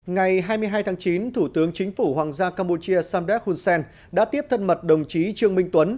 ngày hai mươi hai tháng chín thủ tướng chính phủ hoàng gia campuchia samdek hun sen đã tiếp thân mật đồng chí trương minh tuấn